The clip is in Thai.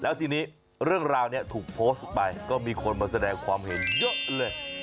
แล้วทีนี้เรื่องราวนี้ถูกโพสต์ไปก็มีคนมาแสดงความเห็นเยอะเลย